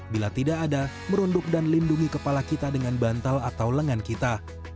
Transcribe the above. bila tidak ada merunduk dan lindungi kepala kita dengan bantal atau lengan kita